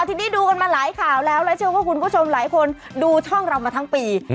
ทีนี้ดูกันมาหลายข่าวแล้วแล้วเชื่อว่าคุณผู้ชมหลายคนดูช่องเรามาทั้งปี